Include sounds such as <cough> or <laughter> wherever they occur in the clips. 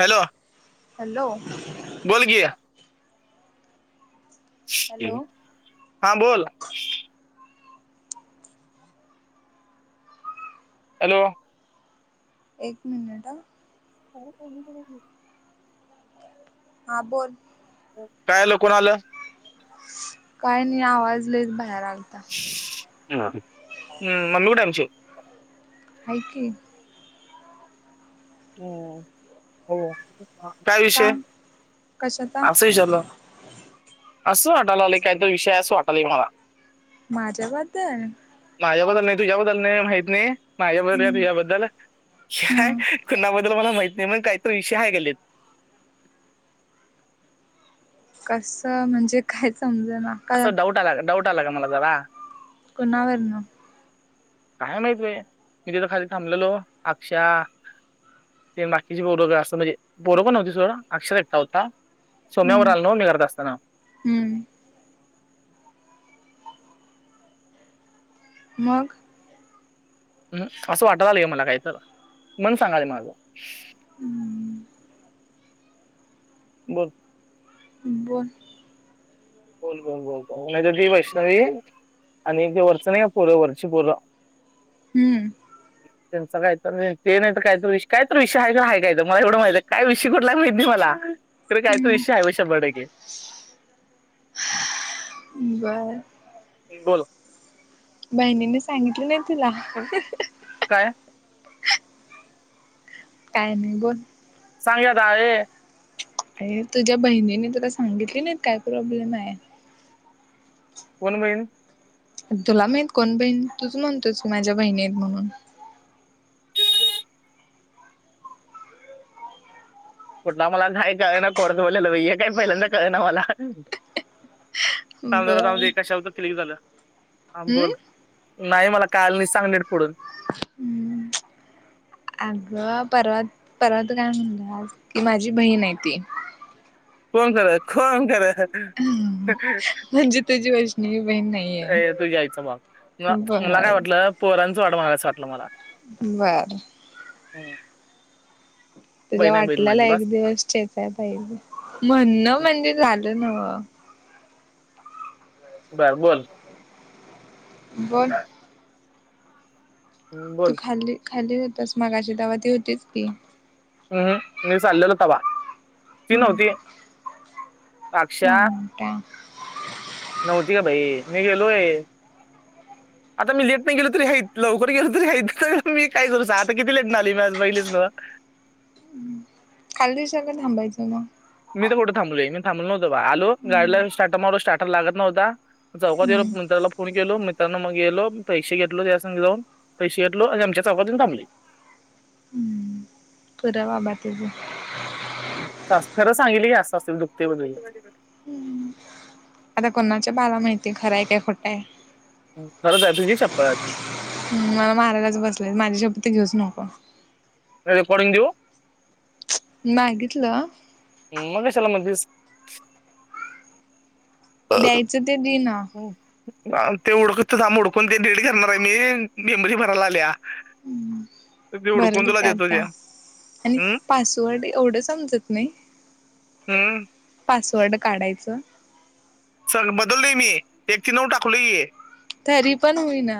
Hello? Hello.... बोल की hello हां बोल... हॅलो.... एक मिनिट हं... आहो कोणीतरी.... हां बोल.... काय आलं कोण आलं... काय नाही आवाज लयीच बाहेर आ.... निघालोय, हुं मम्मी कुठाय आमची? हाय की.. हां होय.... काय का विषय, कशाचा आसंच विचारलो... असं वाटाला लागलंय काहीतरी विषय असं वाटालय मला.... माझ्या बद्दल... माझ्याबद्दल नाही तुझ्याबद्दल नाही माहित नाही, माझ्याबद्दल का हम्म तुझ्याबद्दल... हम्म कुणाबद्दल मला माहित नाही मग काहीतरी विषय आहे गल्लीत.... कस म्हणजे काय समजना.... असं डाऊट आला डाऊट आला गं मला जरा.... कोणा वरून काय माहित बाई, मी तिथ खाली थांबलेलो अक्ष्या... तेन बाकीची पोर गं असं म्हणजे पोरो कोण नव्हती सोड अक्ष्याच एकटा होता.... सोम्या वर आल नव्ह मी घरात असताना.... हुं... मग... हुंहुं असं वाटालागलय गं मला काहीतर म्हणून सांगालय मला तो... हम्म बोल... बोल... बोल -बोल -बोल -बोल नायतर ती वैष्णवी- आणि एक ते वरच नाही का, पूर वरची पोर... हुं.. त्यांचा कायतर, ते नाहीतर काहीतर विष कायतर विषय हायगं हाय कायतर मला एवढं माहित आहे काय विषय कुठला माहिती... मला तर कायतर हम्म विषय हाय बघ शंभर टक्के..... बर- बोल- बहिणींने सांगितले नाही तुला- काय काय नाही बोल- सांग की आता यें- आयी तुझ्या बहिणींनी तुला सांगितल नाय, काय प्रॉब्लेम आहे. कोण बहीण- तुला माहीत कोण बहीण, तुच म्हणतोस की माझ्या बहीणी आहेत म्हणून. कुठला मला नाय कळनां, कोडयात बोलेल हे काय पहिल्यांदा कळनां मला. थांब जरा हम्म जाऊदें, कशावर तरी क्लिक झालं हा बोल- नाही मला कळालं नाही, सांग निट फोडुन. हम्म अगं परवा- परवा तु काय म्हणलंयास कि माझी बहीण आहे ती- कोण खर, कोण खर- म्हणजे तुझी वैष्णवी बहीण नाहीये. अ तुझ्यायचं माग <unintelligible> म मला काय बर वाटलं पोरांचं वाटं बघालयस अस वाटलं मला. <unintelligible> बरं- हां- <inaudible> तुझ्या वाटल्याला एक दिवस चेचाय पाहीजे, म्हणं म्हणजे झालं नव्ह. बर बोल- बोल- तू बोल खाली खाली होतास मगाशी, तेव्हा ती होतीच की? हम्म, मी चाललेलो तवा ती नव्हती. बट अक्षा <unintelligible> नव्हती ग बाई, मी गेलोय ह <inaudible> आता मी लेट नाही गेलो तरी याहीत लवकर गेलो तरी या मी काय कर सां आता किती लेट नाही आलीी बहिलेस <unintelligible> काल दिवसाला थांबायचं मग. थांबलं होतो. आलो गाडीला स्टार्टर मारला, स्टार्टर लागत नव्हता. चौकात गेलो हम्म मित्राला फोन केला होता. गेलो, मित्रांनो मग गेलो पैसे घेतलो, त्याच्या संग जाऊन पैसे घेतलो आणि आमच्या चौकात येऊन थांबले. हम्म पुरा बाबा तेच <unintelligible> खरं सांगितल अस असतं. दुखते बदल आता कोणाच्या बाला माहितीय, खरंय काय खोटं आहे. खरंच आहे तुझी शपत ह मला मारायच बसले, माझ्या शपत घेऊच नको. का कंग देऊ <unintelligible> मागितलं.. हम् मग कशाला म्हणतेस! द्यायचं ते दे ना. ते ओडकत आम उडकून ते रेड करणार आहे मी मेबरी भरायला आल्या <unintelligible> हम्म <unintelligible> ते उडकून बरंल तुला का देतो आता त्या आणि हम्म पासवर्ड एवढं समजत नाही हम्म <unintelligible> पासवर्ड काढायचं. सग बदलल मी एक ते नऊ टाकल <unintelligible> तरी पण होईना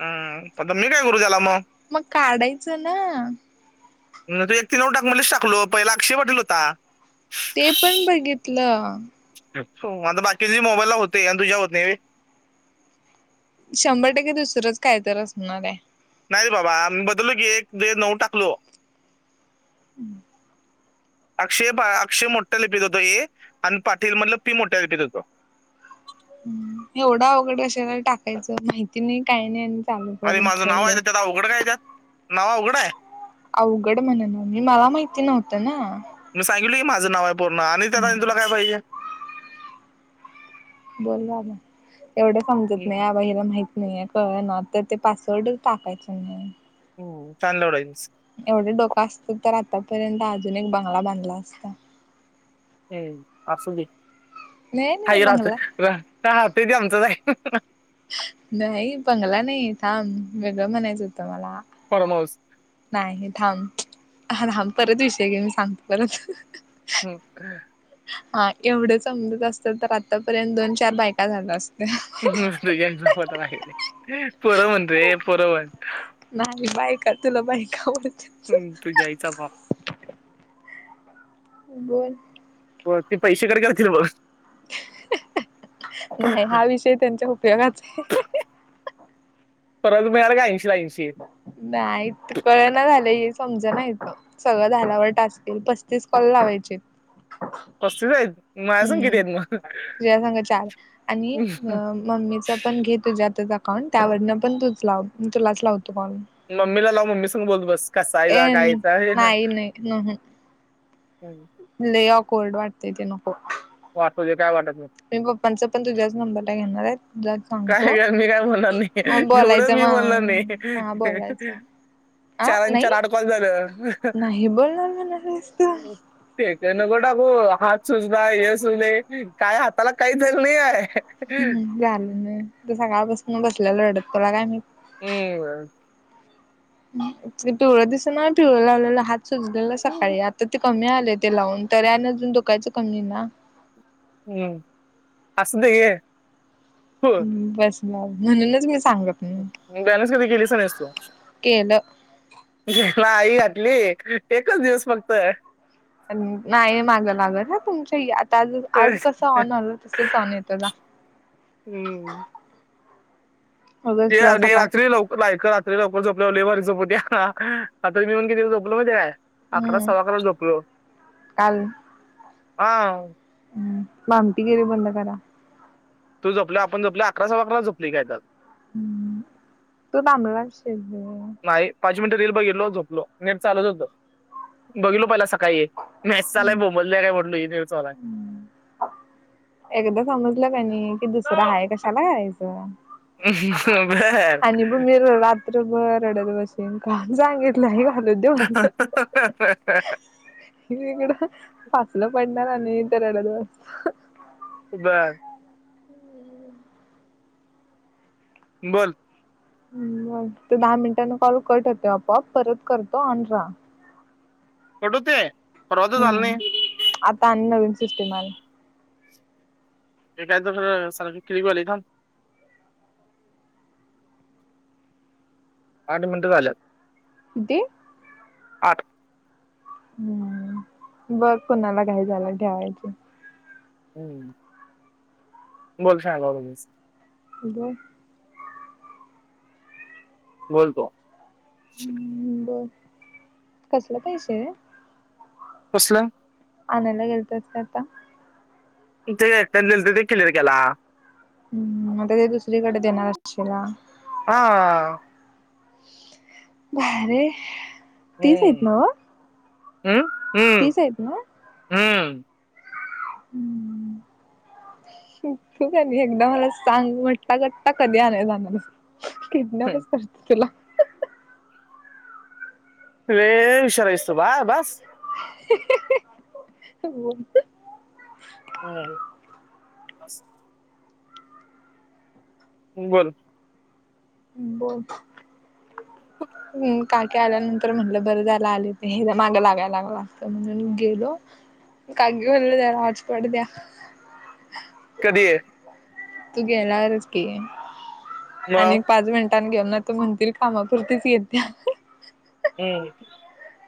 हम् आता मी काय करु त्याला मग मग काढायचं ना. तू एक तीनऊन टाक म्हच टाकलो पहिला अक्षय वाटील होता <unintelligible> ते पण बघितलं. हो आता बाकी मोबाईलला होते. आणि तुझ्या होते शंभर टक्के दुसरंच काय तर असणार आहे. नाही रे बाबा बदलो की एक ते नऊ टाकलो <inaudible> अक्षय अक्षय मोठ्या लिपीत होतो ए आणि पाटील मधलं पी मोठ्या लिपीत होतो. एवढा अवघड कशाला टाकायचं माहिती नाही काही नाही. चालू अरे करून माझं नाव ठेवलं. आहे त्यात अवघडं काय त्यात नाव अवघडे. अवघड म्हण ना मी मला माहिती नव्हतं ना. मी सांगितल की माझं नाव आहे पूर्ण आणि त्या तुला काय पाहिजे. बोल बाबा एवढं समजत नाही नाही कळ ना तर ते पासवर्डच टाकायचं नाही. हम चॅलोडईनस एवढं डोकं असत तर आतापर्यंत अजून एक बंगला बांधला असता. हम् असू दे नाही नाही खाई राहत बंगला राहतय त आमचच आहे. नाही बंगला नाही थांब वेगळं म्हणायचं होतं मला. फॉर्म हाऊस नाही थांब थांब परत विषय घे मी सांगतो परत. ह हा एवढं समजत असत तर आतापर्यंत दोन चार बायका झाल्या असत. म तु्यांच पत पोर म्हण रे पोर म्हण नाही बायका तुला बायक आवडत हम् तूझ्या आईचा भांव बोल हो ते पैसे कट करतील बघ. हहह नाही हा विषय त्यांच्या उपयोगाचा आहे. परत मिळाल काय? नाहीत कळ ना झालंय. समज नाहीत सगळं झाल्यावर टास्केल पस्तीस कॉल लावायचे. अस होय. हम्म तुझ्या सांगा चार आणि मम्मीच पण घे तुझ्या आता. त्यावर पण तू तुलाच लाव. मम्मीला लाव मम्मी सून बोलतो बस कसाय जा ए कायचा हे ना. नाही नाही नाही हम् लय ऑफ वर्ड वाटत ते नको. वाटु दे काय वाटतं मी पप्पांचा पण तुझ्याच नंबरला घेणार आहेत. काय कर मी काय बोलणार नाही एवढ बोलायचं मी बोलणार नाही. मग हा बोलायचं आ चारां चार नाही आठ कॉल झालं. नाही बोलणार म्हणालीस तू ते नको टाकू. सुजना हे सु दे काय हाताला काही जग नाही आहे. सकाळ बसून बसलेला रडत तोला काय. ह पिवळ दिस ना पिवळ लावलेलं हात सुजलेला सकाळी आता त कमी आले ते लावून तर अजून धुकायच कमी ना हम्म असुदे घे. हो बस म म्हणूनच बस. बॅलन्स कधी केलीस का नाही तू, केलं ली एकच दिवस फक्त. नाही मागं लागत ह तुमच्या. ज आज कसं ऑनल तसच ऑन येतो हा. हम्म. रात्री लवकरक रात्री लवकर झोप. लय भारी झोप होत्या, आता जिवुन कितीला झोपल म काय? अकरा हम्म सवा अकरा झोपलो हा. भामटी गेरी बंद करा. तू झोपला आपण जपल्या अकरा स अकरा झोपतोय कि आपन तु दाबला अनिल. नाही पाच मिनिट रेल बघितलो झोपलो, नेट चालत हो बघलो पहिला‌. काय हे मेसेज आलाय बोबलले काय म्हटल ही एकदा समजलं कानी कि दुसरं आहेाय कशाला यायचं. अ आणि ब म रात्रभर रडत बसन का सांगितलंय का. अलो म्हण इकडं फसलं पण, ना न इ रडत बसलो. बर बोल ते दहा मिनिटांन कॉल कट होत आपोआप परत करतो, ऑन रहा ‌. कट होतंय? हम्म आता आणि नवीन सिस्टीम आल्या. हे काय तर ख सारखं चेंज वाले का? आठ मिनटं झाल्यात. किती आठ हम्म बघ कुणाला काही झाला ठेवायचे. हम्म बोल सांग म्ह. <inaudible> बोलतो. हम्म बर कसलं पैसे रे. कसलं. आणायला गेलतास का आता. ते त्यांनी दिलात ते क्लिअर केला. हम्म मगं ते दुसरीकडे देणारं असशील. हा भारीयं तीस आहेत हम्म नव्ह. हम्म हम्म तीस आहेत नव्ह. हम्म. हम्म. तू काणी एकदा मला सांग मठा कठा कधी आणली जाणार आहेस. किडन्या बसतात तुला. लय हुशार आहेस तू बा बास. <inaudible> हम्म. बोल. ह् बोल. ह काकी आल्यानंतर म्हणलं बरं जायला आले ते माग लागायला लागल असत म्हणून गेलो. काकी म्हणाल जरा हाॅटस्पाॅट द्या. कधी आहे. तू गेलावरच की मग आणि पाच मिनट- घेवून नाही तर म्हणतील कामापुरतीच येत्या. <inaudible>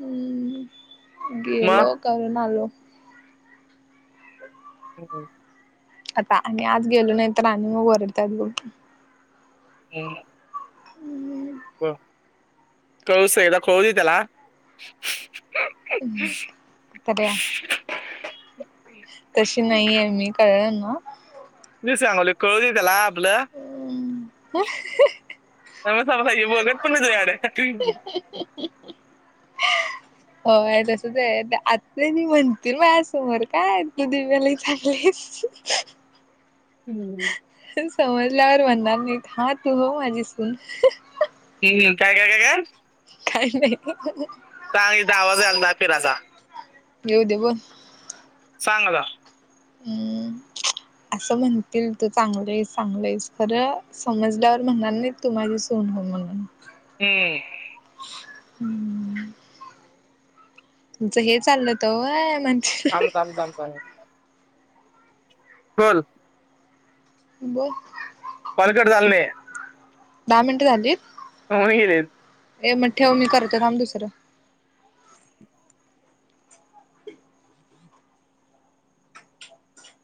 हम् गेलो मग करून आलो. हो. आता आणि आज गेलो नाही तर आणि मगं ओरडतात बघ. हम्. कळस आहे <inaudible> हम् काय ते? तशी नाहीये मी कळलं ना. मी सांगालोयं कळूदे त्याला आपलं. <inaudible> सांगु सांगू काय मी बघत पण नाही तुझ्याकडे <inaudible> होय तसचं आहे ते आत्या नी म्हणतील, माझ्यासमोर काय तू दिव्या लय चांगली आहेस? <inaudible> हम्म. ते समजल्यावर म्हणणार नाहीत हा तू हो माझी सून. ह काय काय काय काय? काय नाही? सांग की हित आवाज यालता पिराचा. येऊ दे, बोल. सांग आता. हम्म. असं म्हणतील तू चांगली आहेस चांगली आहेस खरं समजल्यावर म्हणणार नाही तु माझी- सून हो म्हणून हम्म. तुमचं हे चाललत व्हयं. थांब, थांब, थांब, थांब बोल. बोल. कॉल कट झाला नाही. दहा मिनट झाली होवून गेलीत. ए मग ठेव मी करतो थांब दुसरं